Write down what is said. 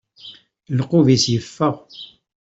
Lbuq-is iffeɣ.